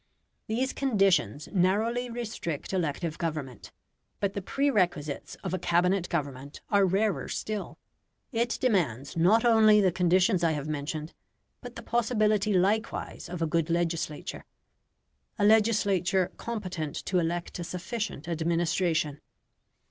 These conditions narrowly restrict elective government. But the prerequisites of a Cabinet government are rarer still; it demands not only the conditions I have mentioned, but the possibility likewise of a good legislature a legislature competent to elect a sufficient administration.